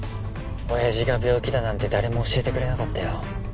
おやじが病気だなんて誰も教えてくれなかったよ。